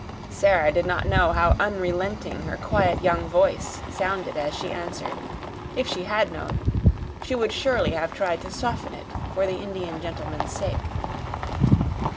Sara did not know how unrelenting her quiet young voice sounded as she answered. If she had known, she would surely have tried to soften it for the Indian gentleman's sake.